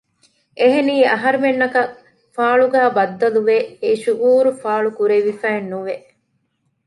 އެހެނީ އަހަރުމެންނަކަށް ފާޅުގައި ބައްދަލުވެ އެ ޝުއޫރު ފާޅު ކުރެވިފައެއް ނުވެ